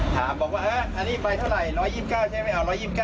ถามบอกว่าอันนี้มันไปเท่าไหร่๑๒๙ใช่ไหม